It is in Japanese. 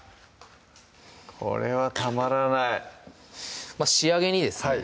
これはたまらない仕上げにですね